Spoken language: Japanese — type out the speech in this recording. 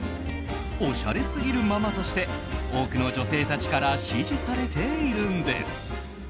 おしゃれすぎるママとして多くの女性たちから支持されているんです。